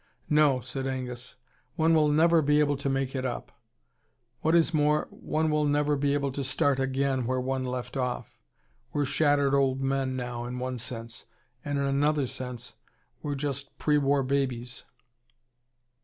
"No," said Angus. "One will never be able to make it up. What is more, one will never be able to start again where one left off. We're shattered old men, now, in one sense. And in another sense, we're just pre war babies."